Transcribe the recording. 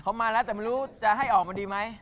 เขามาแล้วแต่ไม่รู้จะให้ออกมาดีไหม